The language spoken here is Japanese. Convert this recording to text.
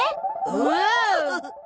おお！